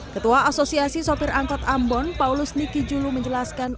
ketua asosiasi sopir angkot ambon paulus niki julu menjelaskan